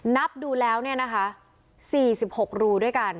นับดูแล้วเนี่ยนะคะ๔๖รูด้วยกัน